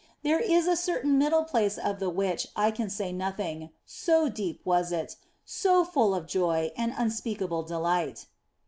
There is a certain middle place of the which I can say nothing, so deep was it, so full of joy and unspeakable delight.